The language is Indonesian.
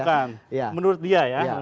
bukan menurut dia ya